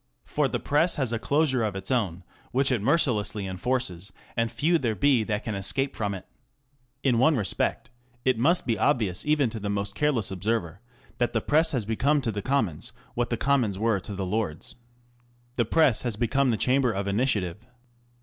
For the Press has a closure of its own, which it mercilessly enforces, and few there be that escape from it. ^ In one respect it must be obvious even to the most careless observer that the Press has become to the Commons what the Com mons were to the Lords. The Press has become the Chamber of Initiative.